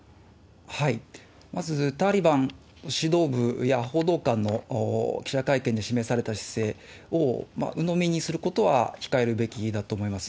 まず、タリバン指導部や報道官の記者会見で示された姿勢をうのみにすることは控えるべきだと思います。